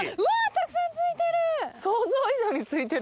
たくさんついてる。